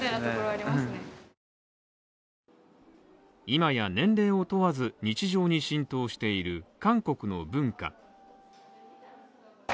今や年齢を問わず日常に浸透している韓国の文化。